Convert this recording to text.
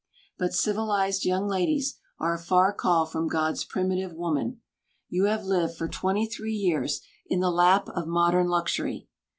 But civilized young ladies are a far call from God's primitive woman. You have lived for twenty three years in the lap of modern luxury.